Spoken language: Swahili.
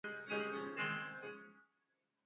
Choo kikavu chenye ute kama makamasi